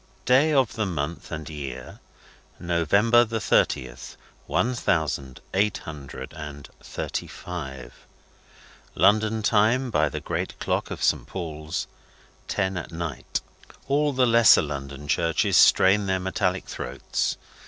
Day of the month and year, November the thirtieth, one thousand eight hundred and thirty five. London Time by the great clock of Saint Paul's, ten at night. All the lesser London churches strain their metallic throats.